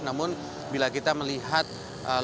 namun bila kita melihat kondisi